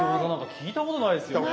聞いたことないですか。